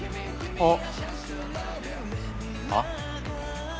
あっ！